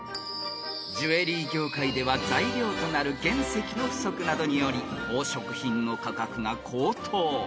［ジュエリー業界では材料となる原石の不足などにより宝飾品の価格が高騰］